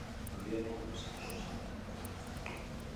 Euria bota lezake goizaldean eta iluntzean.